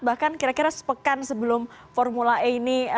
bahkan kira kira sepekan sebelum formula e ini